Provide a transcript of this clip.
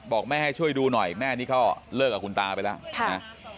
บอกแม่ให้ช่วยดูหน่อยแม่นี่ก็เลิกกับคุณตาไปแล้วนะ